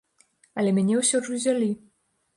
Але мяне ўсё ж узялі.